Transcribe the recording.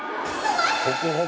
ホクホク！